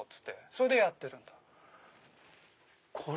それでやってるんです。